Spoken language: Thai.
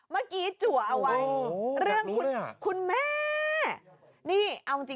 เมื่อกี้จั๋วเอาไว้เรื่องคุณแม่